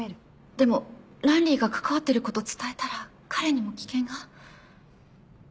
でもランリーが関わってること伝えたら彼にも危険が。